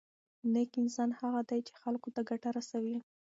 نېک انسان هغه دی چې خلکو ته ګټه رسوي.